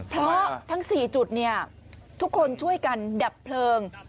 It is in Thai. เพราะทั้ง๔จุดทุกคนช่วยกันดับเพลิง